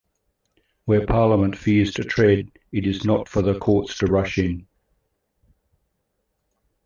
Where Parliament fears to tread it is not for the courts to rush in.